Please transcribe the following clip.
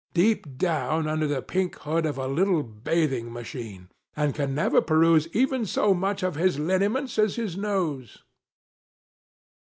deep down under the pink hood of a little bathing machine, and can never peruse even so much of his lineaments as his nose.